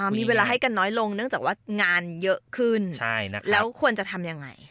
มีเวลาให้กันน้อยลงเนื่องจากว่างานเยอะขึ้นแล้วควรจะทำยังไง